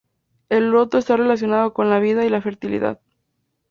El loto está relacionado con la vida y la fertilidad.